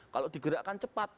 kalau digerakkan cepat